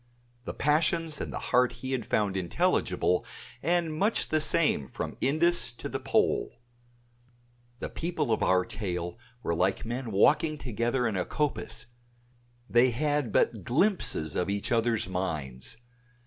The passions and the heart he had found intelligible and much the same from Indus to the Pole. The people of our tale were like men walking together in a coppice; they had but glimpses of each others' minds.